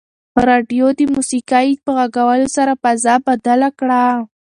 راډیو د موسیقۍ په غږولو سره فضا بدله کړه.